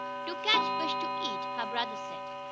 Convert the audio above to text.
"To catch fish to eat," her brother said.